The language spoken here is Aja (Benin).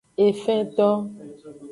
Efento.